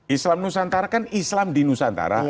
islam nusantara kan islam di nusantara